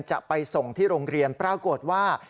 จะไปส่งที่โรงเรียนปรากฏว่า